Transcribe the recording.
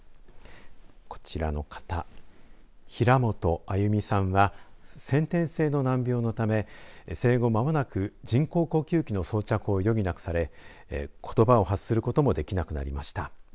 こちらの方平本歩さんは先天性の難病のため生後間もなく人工呼吸器の装着を余儀なくされことばを発することもできなくなりました。